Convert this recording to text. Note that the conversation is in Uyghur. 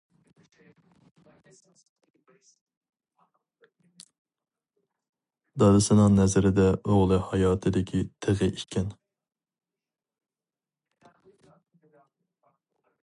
دادىسىنىڭ نەزىرىدە ئوغلى ھاياتىدىكى تېغى ئىكەن.